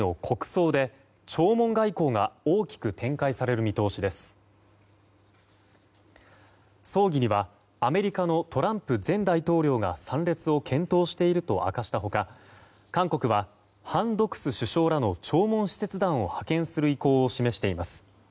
葬儀にはアメリカのトランプ前大統領が参列を検討していると明かした他韓国はハン・ドクス首相らの弔問使節団を派遣する意向を示しています。